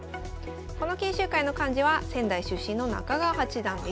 この研修会の幹事は仙台出身の中川八段です。